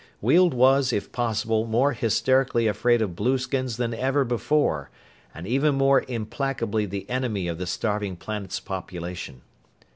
Weald was, if possible, more hysterically afraid of blueskins than ever before, and even more implacably the enemy of the starving planet's population.